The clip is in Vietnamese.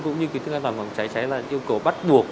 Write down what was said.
cũng như kỹ thức an toàn bằng cháy cháy là yêu cầu bắt buộc